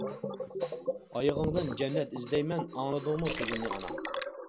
ئايىغىڭدىن جەننەت ئىزدەيمەن، ئاڭلىدىڭمۇ سۆزۈمنى ئانا.